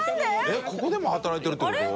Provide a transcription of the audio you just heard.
えっここでも働いてるってこと？